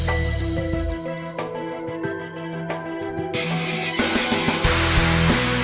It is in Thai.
ก็ไม่น่าจะดังกึ่งนะ